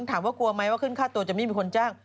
ถามว่ากลัวไหมว่าขึ้นค่าตัวจะไม่มีคนจ้าง